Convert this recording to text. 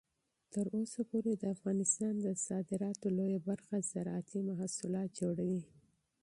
تر اوسه پورې د افغانستان د صادراتو لویه برخه زراعتي محصولات جوړوي.